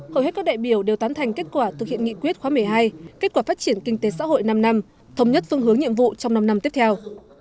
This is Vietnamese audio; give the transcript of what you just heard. hầu hết các đại biểu đều tán thành kết quả thực hiện nghị quyết khóa một mươi hai kết quả phát triển kinh tế xã hội năm năm thống nhất phương hướng nhiệm vụ trong năm năm tiếp theo